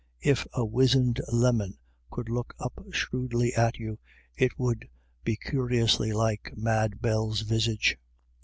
If a wizened lemon could look up shrewdly at you, it would be curiously like Mad Bell's visage.